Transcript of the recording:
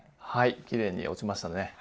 はいきれいに落ちましたね。